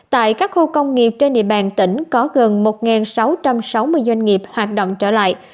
tại các khu công nghiệp trên địa bàn tỉnh có gần một sáu trăm sáu mươi doanh nghiệp hoạt động trở lại